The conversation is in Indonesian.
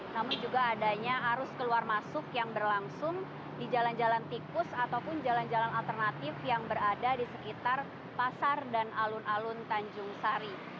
namun juga adanya arus keluar masuk yang berlangsung di jalan jalan tikus ataupun jalan jalan alternatif yang berada di sekitar pasar dan alun alun tanjung sari